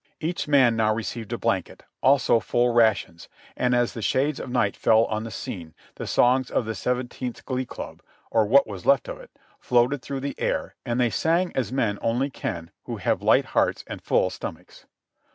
Each man now received a blanket, also full rations, and as the shades of night fell on the scene, the songs of the Seven teenth's Glee Club, or what was left of it, floated through the air, and they sang as men only can who have light hearts and full stomachs.